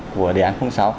của đề án sáu